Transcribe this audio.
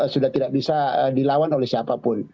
sudah tidak bisa dilawan oleh siapa pun